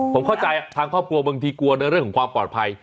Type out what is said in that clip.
ผมเข้าใจทางครอบครัวบางทีกลัวในเรื่องของความปลอดภัย